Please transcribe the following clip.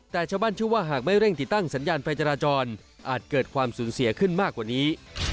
แต่ชาวบ้านเชื่อว่าหากไม่เร่งติดตั้งสัญญาณไฟจราจรอาจเกิดความสูญเสียขึ้นมากกว่านี้